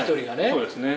「そうですね」